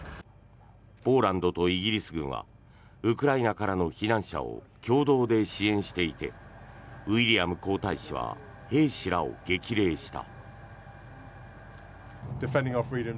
ポーランドとイギリス軍はウクライナからの避難者を共同で支援していてウィリアム皇太子は兵士らを激励した。